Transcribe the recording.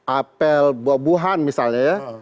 apel buah buahan misalnya ya